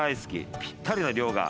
ぴったりの量が。